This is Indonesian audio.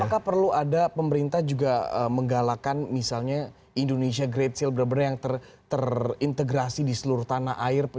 apakah perlu ada pemerintah juga menggalakan misalnya indonesia great sale benar benar yang terintegrasi di seluruh tanah air